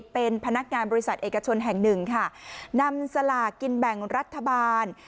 เป็นพนักงานบริษัทเอกชนแห่งหนึ่งค่ะนำสลากินแบ่งรัฐบาล